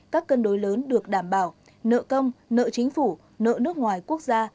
các cân đối lớn được đảm bảo nợ công nợ chính phủ nợ nước ngoài quốc gia